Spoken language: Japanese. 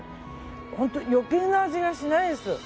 本当に余計な味がしないです。